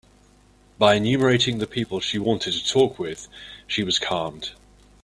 By enumerating the people she wanted to talk with, she was calmed.